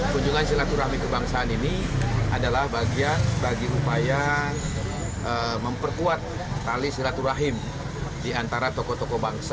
kunjungan silaturahmi kebangsaan ini adalah bagian bagi upaya memperkuat tali silaturahim di antara tokoh tokoh bangsa